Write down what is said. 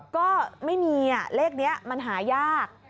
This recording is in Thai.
ก็ไม่มีเลขนี้มันหายาก